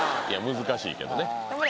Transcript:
難しいけどね。